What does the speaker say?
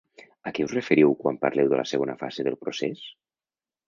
A què us referiu quan parleu de la segona fase del procés?